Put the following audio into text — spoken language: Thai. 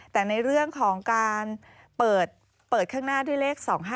แต่ในเรื่องของการเปิดข้างหน้าด้วยเลข๒๕๖